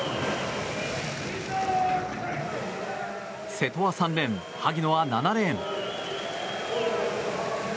瀬戸は３レーン萩野は７レーン。